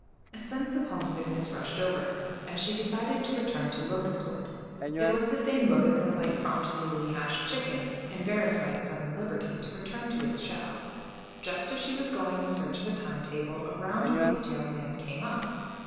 A sense of homesickness rushed over her, and she decided to return to Locustwood. It was the same motive that might prompt a newly hatched chicken, embarrassed by its sudden liberty, to return to its shell. Just as she was going in search of a time table, a round faced young man came up.